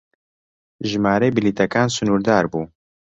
ژمارەی بلیتەکان سنوردار بوو.